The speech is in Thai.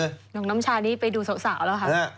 โรงน้ำชานี้ไปดูสาวแล้วครับ